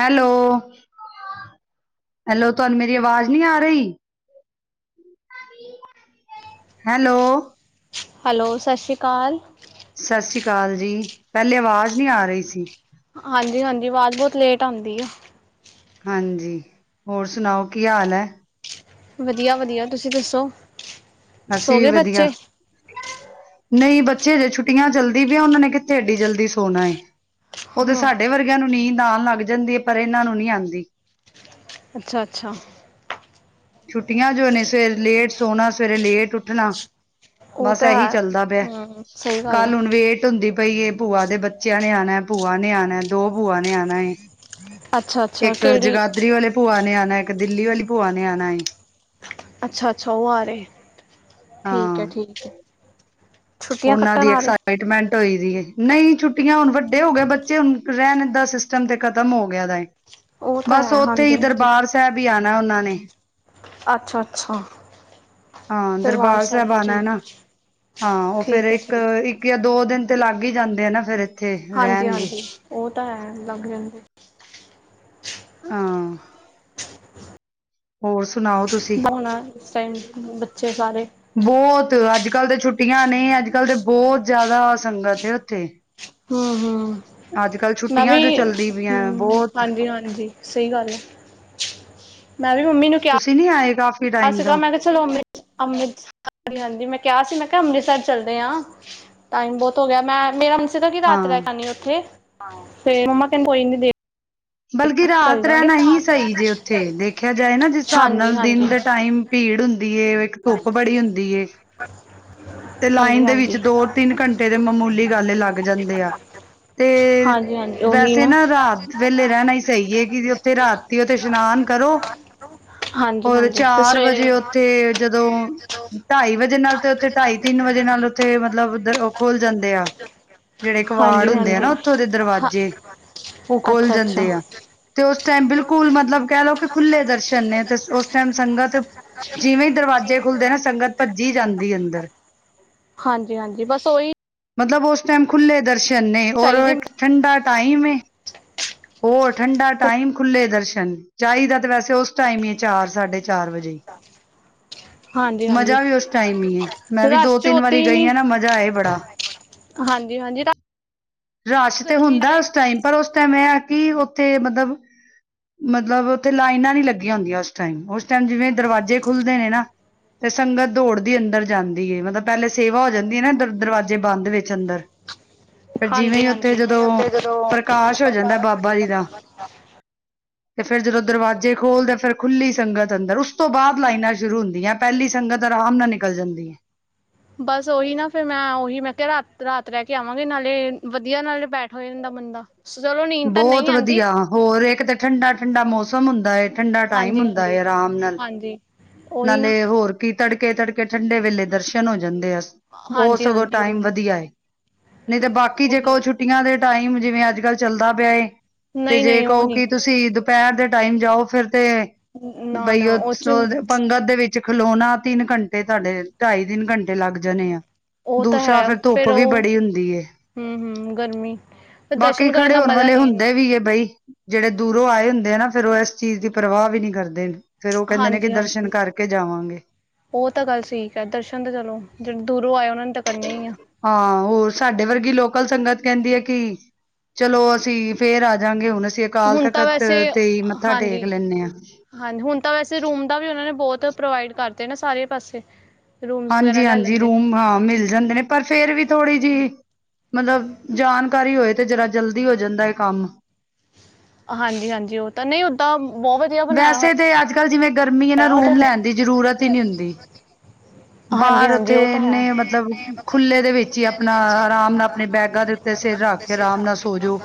Hello hello ਤੁਹਾਨੂੰ ਮੇਰੀ ਆਵਾਜ਼ ਨੀ ਆ ਰਹੀ। ਹੈਲੋ। ਹੈਲੋ ਸਤਿ ਸ਼੍ਰੀ ਅਕਾਲ। ਸਤਿ ਸ੍ਰੀ ਅਕਾਲ ਜੀ ਪਹਿਲੇ ਆਵਾਜ਼ ਨੀ ਆ ਰਹੀ ਸੀ। ਹਾਂਜੀ ਹਾਂਜੀ ਆਵਾਜ਼ ਬਹੁਤ ਲੇਟ ਆਉਂਦੀ ਆ। ਹਾਂਜੀ ਹੋਰ ਸੁਣਾਓ ਕੀ ਹਾਲ ਹੈ। ਵਧੀਆ ਵਧੀਆ ਤੁਸੀਂ ਦੱਸੋ। ਅਸੀਂ ਸੋ ਵੀ ਗਏ ਵਧੀਆ। ਬੱਚੇ ਨਹੀਂ ਬੱਚੇ ਹਜੇ ਛੁੱਟੀਆਂ ਚਲਦੀ ਪ ਆ ਉਹਨਾ ਨੇ ਕਿੱਥੇ ਐਡੀ ਜਲਦੀ ਸੋਣਾ ਏ। ਉਹਦੇ ਹਾਂ ਸਾਡੇ ਵਰਗਿਆਂ ਨੂੰ ਨੀਂਦ ਆਉਣ ਲੱਗ ਜਾਂਦੀ ਹੈ ਪਰ ਇਹਨਾਂ ਨੂੰ ਨਹੀਂੀ ਆਉਂਦੀ। ਅੱਛਾ ਅੱਛਾ। ਛੁੱਟੀਆਂ ਜੋ ਨੇ ਸਵੇਰੇ ਲੇਟ ਸੋਣਾ ਸਵੇਰੇ ਲੇਟ ਉੱਠਣਾ। ਉਹ ਬਸ ਤਾਂ ਇਹੀ ਹੈ ਚੱਲਦਾ ਪਿਆ ਹਮ ਸਹੀ ਗੱਲ ਹੈ ਕੱਲ ਹੁਣ ਵੇਟ। ਧੁੰਦੀ ਪਈ ਭੂਆ ਦੇ ਬੱਚਿਆਂ ਨੇ ਆਉਣਾ, ਭੂਆ ਨੇ ਆਉਣਾ, ਦੋ ਭੂਆ ਨੇ ਆਉਣਾ। ਅੱਛਾ ਅੱਛਾ ਇੱਕ ਕਿਹੜੀ ਜਗਾਦਰੀ ਵਾਲੇ ਭੂਆ ਨੇ ਆਉਣਾ, ਇੱਕ ਦਿੱਲੀ ਵਾਲੀ ਭੂਆ ਨੇ ਆਉਣਾ। ਅੱਛਾ ਅੱਛਾ, ਉਹ ਆ ਰਹੇ, ਠੀਕ ਹੈ ਹਾਂ, ਠੀਕ ਹੈ। ਛੁੱਟੀਆਂ ਉਹਨਾਂ ਕੱਟਣ ਦੀ ਆ ਰਹੇ ਐਕਸਾਈਟਮੈਂਟ ਹੋਈ ਸੀ, ਨਹੀਂ ਛੁੱਟੀਆਂ ਹੁਣ ਵੱਡੇ ਹੋ ਗਏ ਬੱਚੇ, ਹੁਣ ਰਹਿਣ ਦਾ ਸ ਤੇ ਖ਼ਤਮ ਹੋ ਗਿਆ ਦਾ, ਉਹ ਤਾਂ ਬਸ ਹੈ ਉੱਥੇ ਹਾਂਜੀ ਹੀ ਹਾਂਜੀ ਦਰਬਾਰ ਸਾਹਿਬ ਹੀ ਆਉਣਾ ਉਹਨਾਂ ਨੇ। ਅੱਛਾ -ਅੱਛਾ, ਹਾਂ ਦਰਬਾਰ ਸਾਹਿਬ, ਆਣਾ ਠੀਕ ਨਾ। ਹੈ। ਹਾਂ ਉਹ ਫੇਿਰ ਠੀਕ ਹੈ ਇੱਕ, ਠੀਕ ਹੈ ਇੱਕ ਜਾਂ ਦੋ ਦਿਨ ਤੇ ਲੱਗ ਹੀ ਜਾਂਦੇ ਆ ਨਾ ਫਿਰ। ਹਾਂਜੀ ਹਾਂਜੀ, ਉਹ ਤਾਂ ਹੈ, ਲੱਗ ਰਿਹਾ। ਹਾਂ। ਹੋਰ ਸੁਣਾਓ? ਤੁਸੀਂ? ਬਉਣਾ, ਇਸ ਟਾਈਮ ਬੱਚੇ ਸਾਰੇ ਬਹੁਤ, ਅੱਜ ਕੱਲ ਤਾਂ ਛੁੱਟੀਆਂ ਨੇ, ਅੱਜ ਕੱਲ ਤੇ ਬਹੁਤ ਜ਼ਿਆਦਾ ਸੰਗਤ ਹੈ ਉੱਥੇ। ਹਮ ਹਮ, ਅੱਜ-ਕੱਲ੍ਹ ਮੈਂ ਛੁੱਟੀਆਂ ਵੀ, ਜੋ ਚੱਲਦੀ ਪਈਆਂ ਹਮ, ਬਹੁਤ ਹਾਂਜੀ ਹਾਂਜੀ। ਸਹੀ ਗੱਲ ਹੈ, ਮੈਂ ਵੀ ਮੰਮੀ ਨੂੰ ਕਿਹਾ ਨਹੀਂ ਆਏਗਾ ਕਿਹਾ ਚਲੋ ਅੰਮ੍ਰਿ ਅੰਮ੍ਰਿਤ, ਹਾਂ ਹਾਂਜੀ ਮੈਂ ਕਿਹਾ ਸੀ, ਮੈਂ ਕਿਹਾ ਅੰਮ੍ਰਿਤਸਰ ਚੱਲਦੇ ਹਾਂ। ਟਾਈਮ ਬਹੁਤ ਹੋ ਗਿਆ, ਮੈਂ ਮੇਰਾ ਮਨ ਸੀ, ਕੀ ਰਾਤ ਰਹਿ ਹਾਂ ਕੇ ਆਨੇ ਉੱਥੇ, ਫਿਰ ਮੰਮਾ ਕਹਨੂੰ ਕੋਈ ਨ ਦੇ ਬਲਕਿ ਚੱਲ ਰਾਤ ਜਾਂਗੇ ਰਹਿਣਾ ਹੀ ਸਹੀ ਜੇ ਉੱਥੇ, ਦੇਖਿਆ ਜਾਏ ਨਾ ਜਿਸ ਹਿਸਾਬ ਹਾਂਜੀ ਨਾਲ ਹਾਂਜੀ ਦਿਨ ਦੇ ਹਾਂਜੀ ਟਾਈਮ ਭੀੜ ਹੁੰਦੀ, ਇੱਕ ਧੁੱਪ ਬੜੀ ਹੁੰਦੀ ਏ। ਅੱਛਾ। ਤੇ ਲਾਈਨ ਦੇ ਵਿੱਚ, ਦੋ ਤਿੰਨ ਘੰਟੇ ਦੇ ਮਾਮੂਲੀ ਗੱਲ ਲੱਗ ਜਾਂਦੇ ਆ। ਤੇ ਹਾਂਜੀ ਹਾਂਜੀ ਉਹੀ ਵੈਸੇ ਨਾ, ਰਾਤ ਵੇਲੇ ਰਹਿਣਾ ਹੀ ਸਹੀ ਹੈ। ਕਿ ਉੱਥੇ ਰਾਤ ਉਥੇ ਇਸ਼ਨਾਨ ਕਰੋ, ਹਾਂਜੀ ਹੋਰ ਹਾਂਜੀ ਫਿਰ ਚਾਰ ਸਵੇਰੇ ਵਜੇ ਉੱਥੇ ਜਦੋਂ, ਢਾਈ ਵਜੇ ਨਾਲ ਤੇ ਉੱਥੇ ਢਾਈ ਤਿੰਨ ਵਜੇ ਨਾਲ ਉੱਥੇ, ਮਤਲਬ ਉਹ ਖੋਲ ਜਾਂਦੇ ਆ ਜਿਹੜੇ ਕਵਾਰੜ ਹਾਂਜੀ ਹੁੰਦੇ ਆ ਹਾਂਜੀ ਨਾ ਉੱਥੋਂ ਦੇ ਦਰਵਾਜ਼ੇ, ਉਹ ਖੋਲ ਅੱਛਾ ਅੱਛਾ ਜਾਂਦੇ ਆ। ਤੇ ਉਸ ਟਾਈਮ ਬਿਲਕੁਲ ਮਤਲਬ ਕਹਿ ਲਓ, ਕਿ ਖੁੱਲ੍ਹੇ ਦਰਸ਼ਨ ਨੇ ਤੇ ਉਸ ਟਾਈਮ ਸੰਗਤ ਜਿਵੇਂ ਹੀ ਦਰਵਾਜ਼ੇ ਖੁੱਲਦੇ ਨਾ, ਸੰਗਤ ਭੱਜੀ ਜਾਂਦੀ ਅੰਦਰ। ਹਾਂਜੀ ਹਾਂਜੀ, ਬਸ ਉਹੀ ਮਤਲਬ ਉਸ ਟਾਈਮ ਖੁੱਲ੍ਹੇ ਦਰਸ਼ਨ ਨੇ, ਔਰ ਚਾਹੀਦੇ ਇੱਕ ਠੰਡਾ ਟਾਈਮ ਏ ਉਹ ਠੰਡਾ ਟਾਈਮ, ਖੁੱਲੇ ਦਰਸ਼ਨ, ਚਾਹੀਦਾ ਤੇ ਵੈਸੇ ਉਸ ਟਾਈਮ ਹੀ ਚਾਰ ਸਾਢੇ ਚਾਰ ਵਜੇ, ਹਾਂਜੀ ਹਾਂਜੀ ਮਜਾ ਵੀ ਉਸ ਟਾਈਮ ਈ ਏ। ਮੈਂ ਵੀ ਦੋ ਰਸ਼ ਚ ਤਿੰਨ ਓਦਾਂ ਵਾਰੀ ਹੀ ਗਈ ਨੀ ਆ ਨਾ, ਮਜ਼ਾ ਆਏ ਬੜਾ ਹਾਂਜੀ ਹਾਂਜੀ ਰਸ਼ ਤੇ ਗਰਮੀ ਹੁੰਦਾ ਦੇ ਉਸ ਟਾਈਮ, ਪਰ ਉਸ ਟਾਈਮ ਇਹ ਹੈ ਕਿ ਉੱਥੇ ਮਤਲਬ ਮਤਲਬ ਉੱਥੇ ਲਾਈਨਾਂ ਨੀ ਲੱਗੀਆਂ ਹੁੰਦੀਆਂ ਉਸ ਟਾਈਮ, ਉਸ ਟਾਈਮ ਜਿਵੇਂ ਦਰਵਾਜ਼ੇ ਖੁੱਲ੍ਹਦੇ ਨੇ ਨਾ ਤੇ, ਸੰਗਤ ਦੌੜ ਦੀ ਅੰਦਰ ਜਾਂਦੀ ਹੈ, ਮਤਲਬ ਪਹਿਲੇ ਸੇਵਾ ਹੋ ਜਾਂਦੀ ਹੈ ਨਾ, ਦਰ ਦਰਵਾਜ਼ੇ ਬੰਦ ਵਿੱਚ ਅੰਦਰ ਫਿਰ ਜਿਵੇਂ ਹਾਂਜੀ ਹੀ ਉੱਥੇ ਹਾਂਜੀ ਜਦੋਂ, ਪ੍ਰਕਾਸ਼ ਹੋ ਜਾਂਦਾ ਬਾਬਾ ਜੀ ਦਾ ਤੇ ਫਿਰ ਜਦੋਂ ਦਰਵਾਜ਼ੇ ਖੋਲਦੇ, ਫਿਰ ਖੁੱਲੀ ਸੰਗਤ ਅੰਦਰ, ਉਸ ਤੋਂ ਬਾਅਦ ਲਾਈਨਾਂ ਸ਼ੁਰੂ ਹੁੰਦੀਆਂ। ਪਹਿਲੀ ਸੰਗਤ, ਆਰਾਮ ਨਾਲ ਨਿਕਲ ਜਾਂਦੀ ਹੈ। ਬਸ ਉਹੀ ਨਾ ਫਿਰ, ਮੈਂ ਉਹੀ ਮੈਂ ਕਿਹਾ ਰਾਤ, ਰਾਤ ਰਹਿ ਕੇ ਆਵਾਂਗੇ ਨਾਲੇ ਵਧੀਆ ਨਾਲੇ ਬੈਠ ਹੋ ਜਾਂਦਾ ਬੰਦਾ ਚਲੋ ਨੀ ਬਹੁਤ ਵਧੀਆ, ਹੋਰ ਇੱਕ ਤਾਂ ਠੰਡਾ- ਠੰਡਾ ਮੌਸਮ ਹੁੰਦਾ ਹੈ, ਠੰਡਾ ਟਾਈਮ ਹਾਂਜੀ ਹੁੰਦਾ ਹਾਂਜੀ ਹੈ ਆਰਾਮ ਨਾਲ। ਹਾਂਜੀ। ਉਹੀ ਨਾ ਨਾਲੇ ਹੋਰ ਕੀ ਤੜਕੇ ਤੜਕੇ ਠੰਡੇ ਵੇਲੇ ਦਰਸ਼ਨ ਹੋ ਜਾਂਦੇ ਆ। ਉਹ ਹਾਂਜੀ ਸਗੋਂ ਹਾਂਜੀ ਟਾਈਮ ਉਹੀ ਵਧੀਆ ਐ। ਨਈ ਤੇ ਬਾਕੀ ਜੇ ਕੋੋ ਉਹੀ ਛੁੱਟੀਆਂ ਦੇ ਟਾਈਮ ਜਿਵੇਂ ਅੱਜ-ਕੱਲ ਚੱਲਦਾ ਪਿਆ ਏ। ਤੇ ਨਹੀਂ ਜੇ ਨਹੀਂ ਉਹ ਕਹੋ ਕਿ ਨਹੀਂ ਤੁਸੀਂ ਦੁਪਹਿਰ ਦੇ ਟਾਈਮ ਜਾਓ ਫਿਰ ਤੇ ਨਾ ਬਈ ਨਾ ਉਹ ਚ ਸੋਦੇ ਪੰਗਤ ਦੇ ਵਿੱਚ ਖਲੋਣਾ ਤਿੰਨ ਘੰਟੇ ਤੁਹਾਡੇ ਢਾਈ ਤਿੰਨ ਘੰਟੇ ਲੱਗ ਜਾਣੇ ਆ। ਉਹ ਤਾਂ ਦੂਸਰਾ ਹੈ ਫਿਰ ਧੁੱਪ ਵੀ ਉਹ ਬੜੀ ਹੁੰਦੀ ਏ। ਹੂੰ-ਹੂੰ ਗਰਮੀ ਫਿਰ ਲੋਕੀ ਦਰਸ਼ਨ ਕਰਨ ਖੜੇ ਦਾ ਹੋਣ ਮਜ਼ਾ ਵਾਲੇ ਨਹੀਂ ਇੰਨਾ ਹੁੰਦੇ ਵੀ ਏ ਬਈ। ਜਿਹੜੇ ਦੂਰੋਂ ਆਏ ਹੁੰਦੇ ਆ ਨਾ ਫਿਰ ਉਹ ਇਸ ਚੀਜ਼ ਦੀ ਪਰਵਾਹ ਵੀ ਨੀ ਕਰਦੇ। ਫਿਰ ਉਹ ਕਹਿੰਦੇ ਨੇ ਕਿ ਦਰਸ਼ਨ ਹਾਂਜੀ-ਹਾਂਜੀ। ਕਰਕੇ ਜਾਵਾਂਗੇ। ਉਹ ਤਾਂ ਗੱਲ ਠੀਕ ਐ ਦਰਸ਼ਨ ਤਾਂ ਚਲੋ ਜਿਹੜੇ ਦੂਰੋਂ ਆਏ ਉਹਨਾਂ ਨੇ ਤਾਂ ਕਰਨੇ ਈ ਆ। ਹਾਂ ਹੋਰ ਸਾਡੇ ਵਰਗੀ ਲੋਕਲ ਸੰਗਤ ਕਹਿੰਦੀ ਐ ਕਿ ਚਲੋ ਅਸੀਂ ਫਿਰ ਆ ਜਾਂਗੇ ਹੁਣ ਅਸੀਂ ਅਕਾਲ ਹੁਣ ਤਾਂ ਤਖ਼ਤ ਵੈਸੇ ਤੇ ਈ ਮੱਥਾ ਟੇਕ ਹਾਂਜੀ। ਲੈਨੇ ਆ। ਹਾਂਜੀ, ਹੁਣ ਤਾਂ ਵੈਸੇ ਰੂਮ ਦਾ ਵੀ ਉਹਨਾਂ ਨੇ ਬਹੁਤ ਪ੍ਰੋਵਾਈਡ ਕਰਦੇ ਨਾ ਸਾਰੇ ਪਾਸੇ ਰੂਮਸ ਵਗੈਰਾ ਹਾਂਜੀ- ਲੈ ਹਾਂਜੀ ਲੈਂਦੇ ਰੂਮ ਹਾਂ ਮਿਲ ਜਾਂਦੇ ਨੇ, ਪਰ ਫੇਰ ਵੀ ਥੋੜ੍ਹੀ ਜਿਹੀ ਮਤਲਬ ਜਾਣਕਾਰੀ ਹੋਏ ਤੇ ਜਰਾ ਜਲਦੀ ਹੋ ਜਾਂਦਾ ਐ, ਕੰਮ ਹਾਂਜੀ-ਹਾਂਜੀ ਉਹ ਤਾਂ ਨਈ ਔ ਤਾ ਬਹੁਤ ਵਧੀਆ ਬਣਾਇਆ ਵੈਸੇ ਤਾਂ ਅੱਜ ਕੱਲ ਜਿਵੇਂ ਗਰਮੀ ਐ, ਨਾ ਹੋਇਆ। ਉਹ ਰੂਮ ਤਾਂ ਲੈਨ ਦੀ ਜ਼ਰੂਰਤ ਈ ਨੀ ਹੁੰਦੀ ਬਾਰ ਉੱਥੇ ਹਾਂਜੀ-ਹਾਂਜੀ ਉਹ ਤਾਂ ਹੈ। ਇੰਨੇ ਮਤਲਬ ਖੁੱਲੇ ਦੇ ਵਿੱਚ ਹੀ ਅਪਣਾ ਆਰਾਮ ਨਾਲ ਆਪਣਾ ਬੈਗਾਂ ਦੇ ਤੇ ਸਿਰ ਰੱਖ ਕੇ ਆਰਾਮ ਨਾਲ ਸੋਜੋ,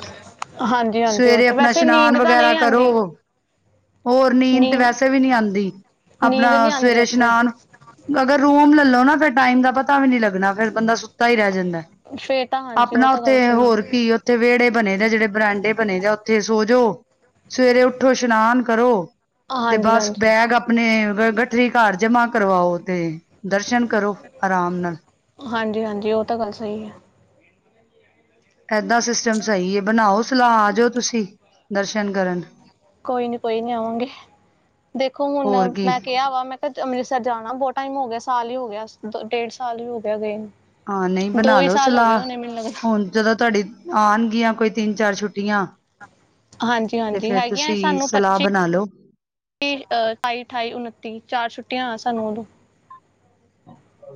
ਹਾਂਜੀ-ਹਾਂਜੀ ਉਹ ਸਵੇਰੇ ਤਾਂ ਆਪਣਾ ਵੈਸੇ ਇਸ਼ਨਾਨ ਨੀਂਦ ਤਾਂ ਵਗੈਰਾ ਨਹੀਂ ਕਰੋ ਆਂਦੀ। ਹੋਰ ਨੀਂਦ ਤੇ ਵੈਸੇ ਵੀ ਨਹੀਂ ਆਦੀ, ਨੀਂਦ ਆਪਣਾ ਨਹੀਂ ਆਉਂਦੀ ਸਵੇਰੇ ਉੱਥੇ ਇਸ਼ਨਾਨ ਅਗਰ ਰੂਮ ਲੈਲੋ ਨਾ ਫੇਰ ਟਾਈਮ ਦਾ ਪਤਾ ਵੀ ਨੀ ਲੱਗ ਲੱਗਣਾ ਫੇਰ ਬੰਦਾ ਸੁੱਤਾ ਈ ਰਹਿ ਜਾਂਦਾ, ਫੇਰ ਤਾਂ ਹਾਂਜੀ ਉਹ ਆਪਣਾ ਤਾਂ ਉੱਥੇ ਗੱਲ ਸਹੀ ਹੋਰ ਹੈ। ਕੀ ਉੱਥੇ ਵਿਹੜੇ ਬਣੇ ਦੇ, ਜਿਹੜੇ ਬਰਾਂਡੇ ਬਣੇ ਆ ਉੱਥੇ ਸੋਜੋ ਸਵੇਰੇ ਉੱਠੋ ਇਸ਼ਨਾਨ ਕਰੋ, ਤੇ ਹਾਂਜੀ ਬਸ ਹਾਂਜੀ ਬੈਗ ਆਪ ਆਪਣੇ ਗਠਰੀ ਘਰ ਜਮਾ ਕਰਵਾਓ, ਤੇ ਦਰਸ਼ਨ ਕਰੋ ਆਰਾਮ ਨਾਲ ਹਾਂਜੀ-ਹਾਂਜੀ ਉਹ ਤਾਂ ਗੱਲ ਸਈ ਐ। ਏਦਾਂ ਸਿਸਟਮ ਸਈ ਐ, ਬਣਾਓ ਸਲਾਹ ਆ ਜਾਓ ਤੁਸੀਂ ਦਰਸ਼ਨ ਕਰਨ ਕੋਈ ਨੀ ਕੋਈ ਨੀ ਆਵਾਂਗੇ, ਦੇਖੋ ਹੁਣ ਹੋਰ ਕੀ ਮੈਂ ਕਿਹਾ ਵਾ ਮੈਂ ਅੰਮ੍ਰਿਤਸਰ ਜਾਣਾ ਬਹੁਤ ਟਾਈਮ ਹੋ ਗਿਆ ਸਾਲ ਈ ਹੋ ਗਿਆ ਡੇਢ ਸਾਲ ਈ ਹੋ ਗਿਆ ਗਏ ਵੇ ਹਾਂ ਨੀ ਬਣਾਲੋ ਸਲਾਹ ਲੱਗਦਾ ਹੁਨ ਜਦੋਂ ਤੁਹਾਡੀ ਆਣਗੀਆਂ ਕੋਈ ਤਿੰਨ ਚਾਰ ਛੁੱਟੀਆਂ ਹਾਂਜੀ ਤੇ ਹਾਂਜੀ ਫੇਰ ਤੁਸੀਂ ਸਲਾਹ ਬਣਾ ਲੋ ਕਿ ਠਾਈ ਅਠਾਈ ਉਨੱਤੀ ਚਾਰ ਛੁੱਟੀਆਂ ਐ ਸਾਨੂੰ ਉਦੋਂ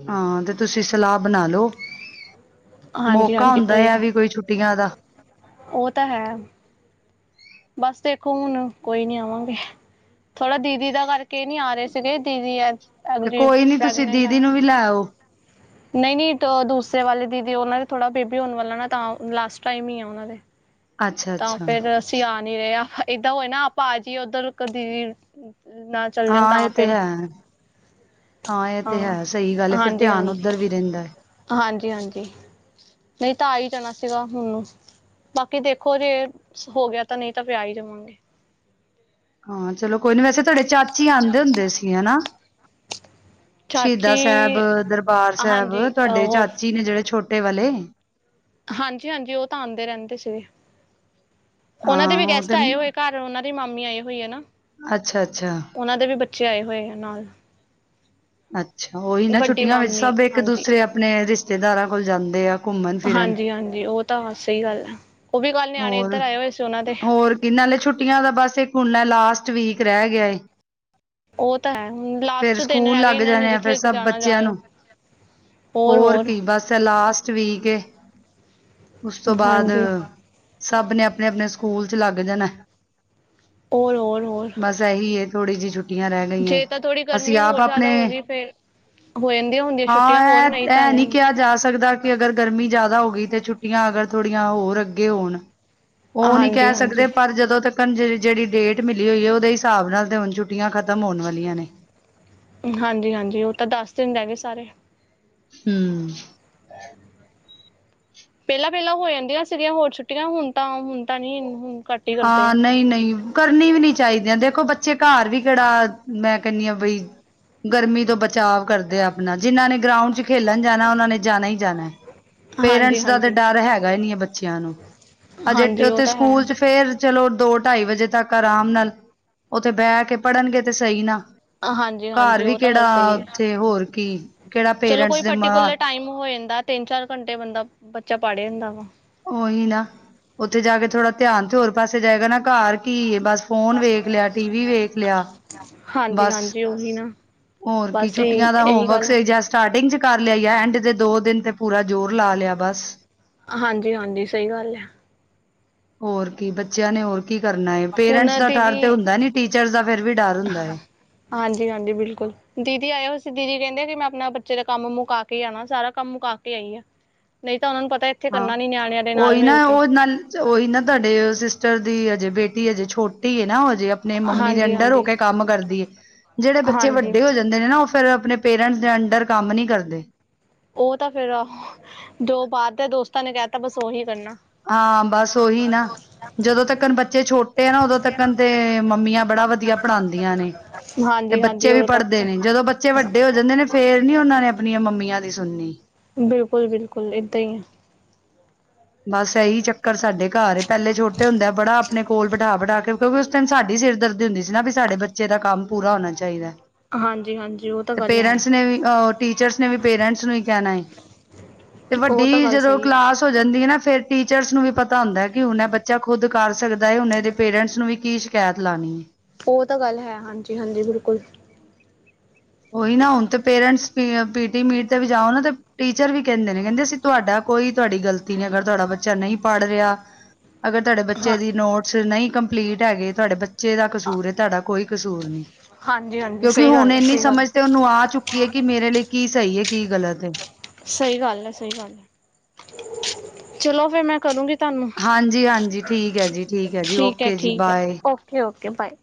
ਹਾਂ, ਤੇ ਤੁਸੀਂ ਸਲਾਹ ਬਣਾ ਲਓ ਹਾਂਜੀ ਮੌਕਾ ਹਾਂਜੀ ਹੁੰਦਾ ਆ ਨੀ ਵੀ ਕੋਈ ਛੁੱਟੀਆਂ ਦਾ ਉਹ ਤਾਂ ਹੈ। ਬਸ ਦੇਖੋ ਹੁਣ, ਕੋਈ ਨੀ ਆਵਾਂਗੇ ਥੋੜਾ ਦੀਦੀ ਦਾ ਕਰਕੇ ਨੀ ਆ ਰਹੇ ਸੀਗੇ ਦੀਦੀ ਤੇ ਅਗਲੀ ਕੋਈ ਨੀ ਤੁਸੀਂ ਪ੍ਰੈਗਨੈਂਟ ਦੀਦੀ ਆ ਨੂੰ ਵੀ ਲੈ ਆਓ ਨਈ-ਨਈ ਦੂਸਰੇ ਵਾਲੇ ਦੀਦੀ ਉਹਨਾਂ ਦੇ ਥੋੜ੍ਹਾ ਬੇਬੀ ਹੋਣ ਵਾਲਾ ਨਾ ਤਾਂ ਲਾਸਟ ਟਾਈਮ ਈ ਆ ਉਹਨਾਂ ਦੇ ਅੱਛਾ ਤਾਂ ਅੱਛਾ ਫੇਰ ਅਸੀਂ ਆ ਨੀ ਰਹੇ ਏਦਾਂ ਹੋਏ ਨਾ ਆਪਾਂ ਆ ਜਾਈਏ ਉੱਧਰ ਕਦੀ ਨਾਲ ਹਾਂ ਇਹ ਤੇ ਹੈ, ਹਾਂ ਇਹ ਤੇ ਹੈ, ਸਹੀ ਗੱਲ ਐ ਫਿਰ ਧਿਆਨ ਉੱਧਰ ਵੀ ਰਹਿੰਦਾ ਐ। ਹਾਂਜੀ-ਹਾਂਜੀ, ਨਈ ਤਾਂ ਆ ਈ ਜਾਣਾ ਸੀਗਾ ਹੁਣ ਨੂੰ। ਬਾਕੀ ਦੇਖੋ ਜੇ, ਹੋ ਗਿਆ ਤਾਂ ਨਹੀਂ ਤਾਂ ਫਿਰ ਆ ਹੀ ਜਾਵਾਂਗੇ ਹਾਂ ਚਲੋ ਕੋਈ ਨੀ, ਵੈਸੇ ਤੁਹਾਡੇ ਚਾਚੀ ਆਉਂਦੇ ਹੁੰਦੇ ਸੀ ਹੈਨਾ ਚਾਚੀ ਸ਼ਹੀਦਾ ਸਾਹਿਬ, ਦਰਬਾਰ ਸਾਹਿਬ, ਹਾਂਜੀ ਤੁਹਾਡੇ ਉਹ ਚਾਚੀ ਨੇ ਜਿਹੜੇ ਛੋਟੇ ਵਾਲੇ ਹਾਂਜੀ- ਹਾਂਜੀ, ਉਹ ਤਾਂ ਆਂਦੇ ਰਹਿੰਦੇ ਸੀਗੇ, ਉਹਨਾਂ ਹਾਂ ਦੇ ਵੀ ਉਹ ਤੇ ਗੈਸਟ ਆਏ ਹੋਏ ਘਰ ਫੇਰ, ਉਹਨਾਂ ਦੀ ਮਾਮੀ ਆਈ ਹੋਈ ਹੈ ਨਾ ਅੱਛਾ ਅੱਛਾ ਉਹਨਾਂ ਦੇ ਵੀ ਬੱਚੇ ਆਏ ਹੋਏ ਆ, ਨਾਲ ਅੱਛਾ, ਉਹੀ ਨਾ ਵੱਡੀ ਛੁੱਟੀਆਂ ਵਿੱਚ ਮਾਮੀ ਸਭ ਇੱਕ ਹਾਂਜੀ ਦੂਸਰੇ ਆਪਣੇ ਰਿਸ਼ਤੇਦਾਰਾਂ ਕੋਲ ਜਾਂਦੇ ਆ, ਘੁੰਮਣ ਫਿਰਨ ਹਾਂਜੀ ਹਾਂਜੀ ਉਹ ਤਾਂ ਸਹੀ ਗੱਲ ਹੈ, ਉਹ ਵੀ ਕੱਲ੍ਹ ਨਿਆਣੇ ਇੱਧਰ ਆਏ ਹੋਏ ਸੀ ਉਹਨਾਂ ਦੇ ਇਹਨਾਂੇ ਛੁੱਟੀਆਂ ਦਾ ਬਸ, ਇੱਕ ਹੁਣ ਲਾਸਟ ਵੀਕ ਰਹਿ ਗਿਆ ਏ ਉਹ ਤਾਂ ਹੈ ਹੁਣ ਫੇਿਰ ਲਾਸਟ ਦਿਨ ਸਕੂਲ ਰਹਿ ਗਏ ਲੱਗ ਇਹਨਾਂ ਨੇ ਜਾਨੇ ਆ, ਫਿਰ ਜਿੱਥੇ ਸਭ ਜਾਣਾ ਬੱਚਿਆਂ ਜਾਇਓ ਨੂੰ ਹੋਰ ਕੀ, ਬੱਸ ਏ ਲਾਸਟ ਵੀਕ ਏ, ਉਸ ਤੋਂ ਬਾਅਦ ਹਾਂਜੀ ਸਭ ਨੇ ਅਪਣੇ, ਅਪਣੇ ਸਕੂਲ 'ਚ ਲੱਗ ਜਾਣਾ [inaudible] ਬਸ ਇਹੀ ਏ, ਥੋੜ੍ਹੀ ਜਿਹੀ ਛੁੱਟੀਆਂ ਰਹਿ ਗਈਆਂ, ਜੇ ਤਾਂ ਥੋੜ੍ਹੀ ਅਸੀਂ ਗਰਮੀ ਆਪ ਹੋਰ ਆਪਣੇ ਜ਼ਿਆਦਾ ਹੋ ਗਈ ਫੇਰ ਹੋ ਜਾਂਦੀਆਂ ਹੁੰਦੀਆਂ ਹਾਂ ਛੁੱਟੀਆਂ ਹੋਰ ਇਹ, ਤਾਂ ਇਹ ਨਹੀਂ ਕਿਹਾ ਜਾ ਸਕਦਾ ਅਗਰ ਗਰਮੀ ਜਿਆਦਾ ਹੋ ਗਈ, ਤੇ ਛੁੱਟੀਆਂ ਅਗਰ ਥੋੜੀਆਂ ਹੋਰ ਅੱਗੇ ਹੋਣ ਉਹ ਨਹੀਂ ਹਾਂਜੀ ਕਹਿ ਸਕਦੇ, ਹਾਂਜੀ ਪਰ ਜਦੋਂ ਤੱਕ ਜਿਹੜੀ ਡੇਟ ਮਿਲੀ ਹੋਈ ਹੈ, ਉਹਦੇ ਹਿਸਾਬ ਨਾਲ ਤੇ ਹੁਣ ਛੁੱਟੀਆਂ ਖਤਮ ਹੋਣ ਵਾਲੀਆਂ ਨੇ ਹਾਂਜੀ ਹਾਂਜੀ, ਉਹ ਤਾਂ ਦੱਸ ਦਿਨ ਰਹਿ ਗਏ ਸਾਰੇ। ਹਮ। ਪਹਿਲਾਂ- ਪਹਿਲਾਂ ਹੋ ਜਾਂਦੀਆਂ ਸੀਗੀਆਂ ਹੋਰ ਛੁੱਟੀਆਂ, ਹੁਣ ਤਾਂ ਹੁਣ ਤਾਂ ਨੀ ਹੁਣ ਘ ਹਾਂ, ਨਹੀਂ- ਨਹੀਂ। ਕਰਨੀ ਵੀ ਨੀ ਚਾਹੀਦੀਆਂ, ਦੇਖੋ ਬੱਚੇ ਘਰ ਵੀ ਕਿਹੜਾ ਮੈਂ ਕਹਿੰਦੀ ਹ ਬਈ ਗਰਮੀ ਤੋਂ ਬਚਾਅ ਕਰਦੇ ਆ ਆਪਣਾ, ਜਿਨਾਂ ਨੇ ਗਰਾਊਂਡ 'ਚ ਖੇਲਣ ਜਾਣਾ, ਉਹਨਾਂ ਨੇ ਜਾਣਾ ਹੀ ਜਾਣਾ ਹੈ। ਹਾਂਜੀ ਪੇਰੈਂਟਸ ਦਾ ਤਾਂ ਹਾਂਜੀ ਡਰ ਹੈਗਾ ਹੀ ਨਹੀਂ ਹੈ ਬੱਚਿਆਂ ਨੂੰ, ਅਜੇ ਹਾਂਜੀ ਉਹ ਉੱਥੇ ਤਾਂ ਹੈ ਸਕੂਲ 'ਚ ਫਿਰ ਚਲੋ ਦੋ ਢਾਈ ਵਜੇ ਤੱਕ ਆਰਾਮ ਨਾਲ, ਉੱਥੇ ਬਹਿ ਕੇ ਪੜ੍ਹਨਗੇ ਤੇ ਸਹੀ ਨਾ ਹਾਂਜੀ ਘਰ ਹਾਂਜੀ ਵੀ ਉਹ ਤਾਂ ਗੱਲ ਕਿਹੜਾ ਸਹੀ ਹੈ ਉੱਥੇ ਹੋਰ ਕੀ, ਕਿਹੜਾ ਚਲੋ ਪੇਰੈਂਟਸ ਕੋਈ ਦੇ ਮ ਪਰਟੀਕੂਲਰ ਟਾਈਮ ਹੋ ਜਾਂਦਾ ਤਿੰਨ ਚਾਰ ਘੰਟੇ ਬੰਦਾ, ਬੱਚਾ ਪੜ੍ਹੇ ਹੁੰਦਾ ਵਾ। ਉਓਹੀ ਨਾ, ਉੱਥੇ ਜਾ ਕੇ ਥੋੜਾ ਧਿਆਨ ਤੇ ਹੋਰ ਪਾਸੇ ਜਾਏਗਾ ਨਾ, ਘਰ ਕੀ ਬਸ ਫੋਨ ਵੇਖ ਲਿਆ, ਟੀਵ ਵੇਖ ਲਿਆ, ਹਾਂਜੀ ਬਸ ਹਾਂਜੀ ਉਹੀ ਨਾ ਹੋਰ ਕੀ, ਬਸ ਇਹੀ ਛੁੱਟੀਆਂ ਦਾ ਇਹੀ ਹੋਮਵਰਕ ਗੱਲ ਸ ਜਾ ਸਟਾਰਟਿੰਗ 'ਚ ਕਰ ਲਿਆ, ਐਂਡ ਦੇ ਦੋ ਦਿਨ ਤੇ ਪੂਰਾ ਜ਼ੋਰ ਲਾ ਲਿਆ, ਬਸ ਹਾਂਜੀ ਹਾਂਜੀ, ਸਹੀ ਗੱਲ ਹੈ। ਹੋਰ ਕੀ, ਬੱਚਿਆਂ ਨੇ ਹੋਰ ਕੀ ਕਰਨਾ ਹੈ। ਹੁਣ ਪੇਰੈਂਟਸ ਦਾ ਡਰ ਤੇ ਦੀਦੀ ਹੁੰਦਾ ਨੀ, ਟੀਚਰਸ ਦਾ ਫੇਿਰ ਵੀ ਡਰ ਹੁੰਦਾ ਹੈ। ਹਾਂਜੀ ਹਾਂਜੀ, ਬਿਲਕੁਲ। ਦੀਦੀ ਆਏ ਹੋਏ ਸੀ, ਦੀਦੀ ਕਹਿੰਦੇ ਕਿ ਮੈਂ ਆਪਣਾ ਬੱਚੇ ਦਾ ਕੰਮ ਮੁਕਾ ਕੇ ਆਣਾ, ਸਾਰਾ ਕੰਮ ਮੁਕਾ ਕੇ ਆਈ ਆ। ਨਹੀਂ ਤਾਂ, ਉਹਨਾਂ ਨੂੰ ਪਤਾ ਇੱਥੇ ਹਾਂ, ਕਰਨਾ ਨੀ ਨਿਆਣਿਆਂ ਦੇ ਨਾਲ ਉਹੀ ਨਾ ਮਿਲ ਕੇ ਉਹ ਨਾਲ, ਉਹੀ ਨਾ ਤੁਹਾਡੇ ਦੀ ਹਜੇ ਬੇਟੀ ਹਜੇ ਛੋਟੀ ਹੈ ਨਾ, ਉਹ ਹਜੇ ਆਪਣੇ ਮੰਮੀ ਦੇ ਹਾਂਜੀ ਅੰਡਰ ਹੋ ਹਾਂਜੀ ਕੇ ਕੰਮ ਕਰਦੀ ਹੈ, ਜਿਹੜੇ ਬੱਚੇ ਹਾਂਜੀ ਵੱਡੇ ਹੋ ਜਾਂਦੇ ਨੇ ਨਾ ਫਿਰ, ਆਪਣੇ ਪੇਰੈਂਟਸ ਦੇ ਅੰਡਰ ਕੰਮ ਨੀ ਕਰਦੇ। ਉਹ ਤਾਂ ਫੇਿਰ, ਜੋ ਬਾਹਰ ਦੇ ਦੋਸਤਾਂ ਨੇ ਕਹਿਤਾ, ਬਸ ਉਓਹੀ ਕਰਨਾ। ਹਾਂ ਬਸ ਉਓਹੀ ਨਾ, ਜਦੋਂ ਤੱਕ ਬੱਚੇ ਛੋਟੇ ਆ ਨਾ, ਉਦੋਂ ਤੱਕ ਤੇ ਮੰਮੀਆਂ ਬੜਾ ਵਧੀਆ ਪੜਾਦੀਆਂ ਨੇ, ਤੇ ਹਾਂਜੀ ਹਾਂਜੀ ਬੱਚੇ ਵੀ ਉਦੋਂ ਤੱਕ ਪੜ੍ਹਦੇ ਨੇ, ਤਾਂ ਜਦੋਂ ਬੱਚੇ ਵੱਡੇ ਹੋ ਜਾਂਦੇ ਨੇ, ਫੇਰ ਨੀ ਓਹਨਾਂ ਨੇ ਆਪਣੀਆਂ ਮੰਮੀਆਂ ਦੀ ਸੁਣਨੀ। ਬਿਲਕੁਲ -ਬਿਲਕੁਲ, ੱਏਦਾਂ ਈ ਆ, ਬਸ ਏਹੀ ਚੱਕਰ ਸਾਡੇ ਘਰ ਐ, ਪਹਿਲੇ ਛੋਟੇ ਹੁੰਦੇ ਬੜਾ ਆਪਣੇ ਕੋਲ ਬਠਾ -ਬਠਾ ਕੇ, ਕਿਓਕਿ ਉਸ ਟਾਈਮ ਸਾਡੀ ਸਿਰ ਦਰਦੀ ਹੁੰਦੀ ਸੀ ਨਾ, ਵੀ ਸਾਡੇ ਬੱਚੇ ਦਾ ਕੰਮ ਪੂਰਾ ਹੋਣਾ ਚਾਹੀਦਾ। ਹਾਂਜੀ ਹਾਂਜੀ ਓਹ ਤਾਂ ਤੇ ਗੱਲ ਹੈ ਪੇਰੈਂਟਸ ਨੇ ਵੀ ਓ, ਟੀਚਰਸ ਨੇ ਵੀ ਪੇਰੈਂਟਸ ਨੂੰ ਈ ਕਹਿਣਾ ਏ, ਤੇ ਉਹ ਤਾਂ ਵੱਡੀ ਗੱਲ ਜਦੋਂ ਸਹੀ ਹੈ ਕਲਾਸ ਹੋ ਜਾਂਦੀ ਹੈ ਨਾ, ਫੇਰ ਟੀਚਰਸ ਨੂੰ ਵੀ ਪਤਾ ਹੁੰਦਾ, ਕਿ ਹੁਣ ਬੱਚਾ ਖੁਦ ਕਰ ਸਕਦਾ ਏ, ਹੁਨ ਏਦੇ ਪੇਰੈਂਟਸ ਨੂੰ ਵੀ ਕੀ ਸ਼ਿ ਸ਼ਿਕਾਇਤ ਲਾਣੀ ਏ। ਓਹ ਤਾਂ ਗੱਲ ਹੈ, ਹਾਂਜੀ -ਹਾਂਜੀ ਬਿਲਕੁਲ। ਓਹੀ ਨਾ ਹੁਣ, ਤੇ ਪੇਰੈਂਟਸ ਪੀ ਅ, ਪੀ, ਟੀ ਮੀਟ ਤੇ ਵੀ ਜਾਓ ਨਾ, ਤੇ ਟੀਚਰ ਵੀ ਕਹਿੰਦੇ ਨੇ ਕਹਿੰਦੇ ਅਸੀਂ ਤੁਹਾਡਾ ਕੋਈ ਤੁਹਾਡੀ ਗਲਤੀ ਨਹੀਂ, ਅਗਰ ਤੁਹਾਡਾ ਬੱਚਾ ਨਹੀਂ ਪੜ੍ਹ ਰਿਹਾ ਅਗਰ ਤੁਹਾਡੇ ਹਾਂ ਬੱਚੇ ਦੀ ਨੋਟਸ ਨਈ ਕੰਪਲੀਟ ਹੈਗੇ, ਤੁਹਾਡੇ ਬੱਚੇ ਦਾ ਕਸੂਰ ਏ, ਤੁਹਾਡਾ ਕੋਈ ਕਸੂਰ ਨਈ ਹਾਂਜੀ -ਹਾਂਜੀ ਸਹੀ ਗੱਲ ਏ, ਸਹੀ ਗੱਲ। ਤੇ ਓਹਨੂੰ ਆ ਚੁੱਕੀ ਏ, ਕਿ ਮੇਰੇ ਲਈ ਕੀ ਸਈ ਏ, ਕੀ ਗਲਤ ਏ, ਸਹੀ ਗੱਲ ਐ, ਸਹੀ ਗੱਲ ਐ, ਚਲੋ ਫੇਿਰ ਮੈਂ ਕਰੂਗੀ, ਹਾਂਜੀ -ਹਾਂਜੀ ਠੀਕ ਏ ਜੀ -ਠੀਕ ਏ ਜੀ, ਹੈ ਓਕੇ ਜੀ ਠੀਕ ਹੈ ਬਾਏ। Okay -okay bye.